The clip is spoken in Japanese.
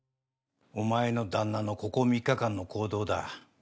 お前の旦那のここ３日間の行動だ。